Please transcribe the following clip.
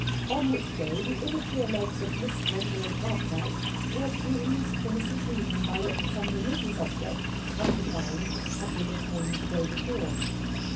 On which day the immature legs of Miss Gwendolen Arkwright were to be released from a seclusion by which some religious object, undefined, had been attained the day before.